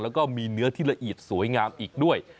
แล้วก็มีเนื้อที่ละเอียดสวยงามอีกด้วย